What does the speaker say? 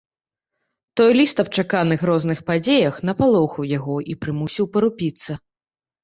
Той ліст аб чаканых грозных падзеях напалохаў яго і прымусіў парупіцца.